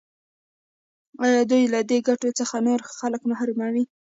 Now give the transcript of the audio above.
آیا دوی له دې ګټو څخه نور خلک محروموي؟